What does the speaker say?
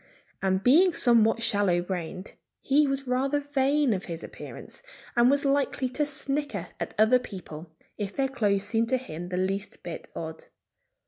And being somewhat shallow brained, he was rather vain of his appearance, and was likely to snicker at other people if their clothes seemed to him the least bit odd.